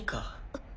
あっ。